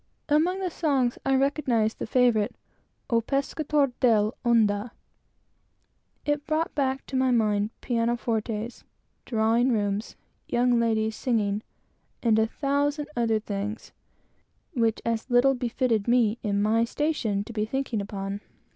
Among the songs I recognized the favorite "O Pescator dell' onda." It brought back to my mind pianofortes, drawing rooms, young ladies singing, and a thousand other things which as little befitted me, in my situation, to be thinking upon.